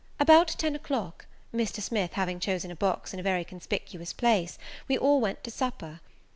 About ten o'clock, Mr. Smith having chosen a box in a very conpicuous place, we all went to supper.